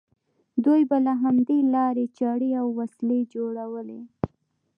دوی به له همدې لارې چړې او وسلې جوړولې.